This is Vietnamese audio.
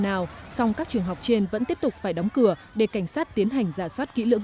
nào song các trường học trên vẫn tiếp tục phải đóng cửa để cảnh sát tiến hành giả soát kỹ lưỡng